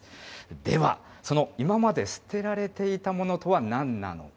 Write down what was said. ではその今まで捨てられていたものとはなんなのか。